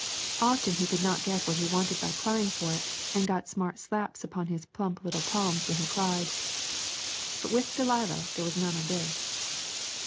Often he could not get what he wanted by crying for it, and got smart slaps upon his plump little palms when he cried. But with Delilah there was none of this.